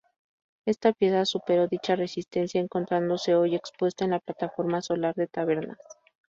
Esta pieza superó dicha resistencia, encontrándose hoy expuesta en la Plataforma Solar de Tabernas.